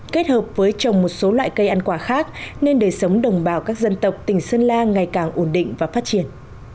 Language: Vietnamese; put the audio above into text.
kết hợp với trồng một số loại cây ăn quả khác nên đời sống đồng bào các dân tộc tỉnh sơn la ngày càng ổn định và phát triển